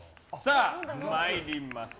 参ります。